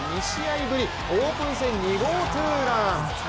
２試合ぶりオープン戦２号ツーラン。